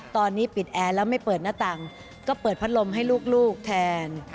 ตอนนี้ปิดแอร์แล้วไม่เปิดหน้าต่างก็เปิดพัดลมให้ลูกแทน